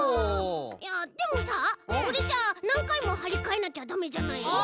いやでもさこれじゃあなんかいもはりかえなきゃダメじゃない？